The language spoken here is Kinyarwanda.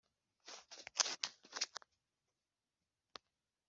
Abagabo b’inganizi bagitinya kuvuna impuruz »